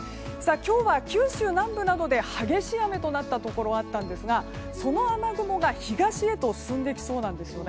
今日は、九州南部などで激しい雨となったところがあったんですが、その雨雲が東へ進んできそうなんですね。